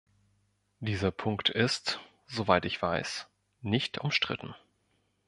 Dieser Punkt ist, soweit ich weiß, nicht umstritten.